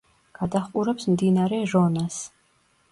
გადაჰყურებს მდინარე რონას.